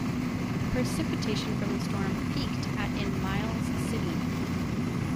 Precipitation from the storm peaked at in Miles City.